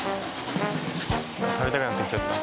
食べたくなってきちゃった。